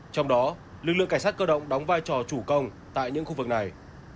trong đó lực lượng cảnh sát cơ động đóng vai trò chủ công tại những khu vực này